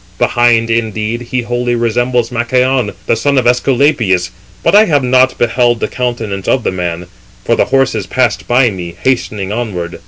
Behind, indeed, he wholly resembles Machaon, the son of Æsculapius, but I have not beheld the countenance of the man: for the horses passed by me, hastening onward."